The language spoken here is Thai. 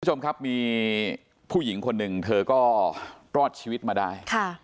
คุณผู้ชมครับมีผู้หญิงคนหนึ่งเธอก็รอดชีวิตมาได้